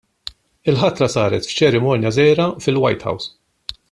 Il-ħatra saret f'ċerimonja żgħira fil-White House.